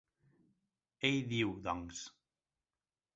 Ell diu, doncs!